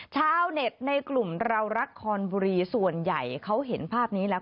ชาวเน็ตในกลุ่มเรารักคอนบุรีส่วนใหญ่เขาเห็นภาพนี้แล้ว